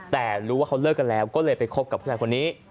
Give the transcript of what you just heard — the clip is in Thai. แต่รู้ว่าเขาเลิกกันแล้วก็เลยไปหลอกกับสีแครกคนนี้